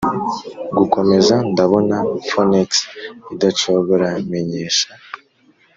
gukomeza. ndabona phoenix idacogora, menyesha